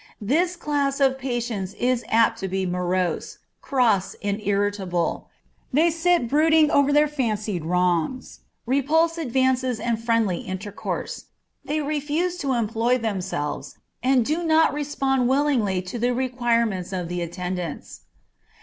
This class of patients is apt to be morose, cross, and irritable; they sit brooding over their fancied wrongs; repulse advances and friendly intercourse; they refuse to employ themselves, and do not respond willingly to the requirements of the attendants.